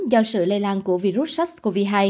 do sự lây lan của virus sars cov hai